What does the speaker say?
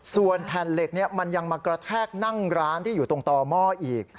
ส่วนแผ่นเหล็กมันยังมากระแทกนั่งร้านที่อยู่ตรงต่อหม้ออีก